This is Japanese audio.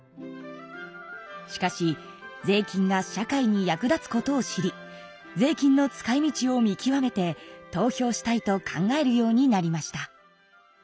しかし税金が社会に役立つことを知り税金の使いみちを見極めて投票したいと考えるようになりました。